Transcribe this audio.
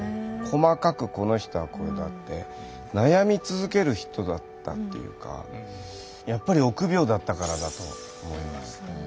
細かく「この人はこれだ」って悩み続ける人だったっていうかやっぱり臆病だったからだと思いますね。